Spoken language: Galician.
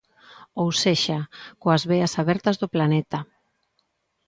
Ou sexa, coas veas abertas do planeta.